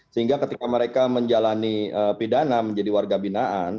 sehingga ketika mereka menjalani pidana menjadi warga binaan